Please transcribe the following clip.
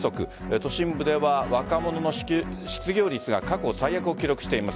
都心部では、若者の失業率が過去最悪を記録しています。